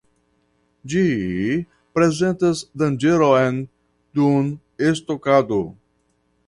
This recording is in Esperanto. Ĝi prezentas danĝeron dum stokado.